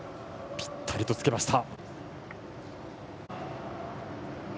ぴったりとつけました。